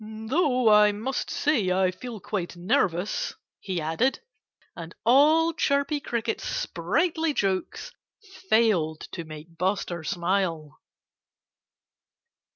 "Though I must say I feel quite nervous," he added. And all Chirpy Cricket's sprightly jokes failed to make Buster smile.